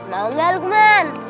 mau gak lukman